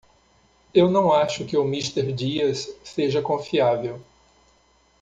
Eu não acho que o Mister Diaz seja confiável.